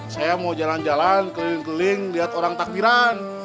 saya mau jalan jalan keling keling lihat orang takbiran